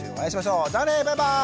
じゃあねバイバーイ！